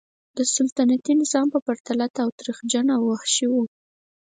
د سلطنتي نظام په پرتله تاوتریخجن او وحشي و.